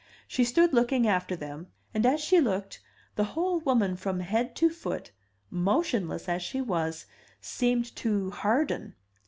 She stood looking after them, and as she looked, the whole woman from head to foot, motionless as she was, seemed to harden.